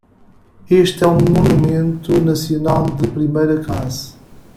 Este é um monumento nacional de primeira classe.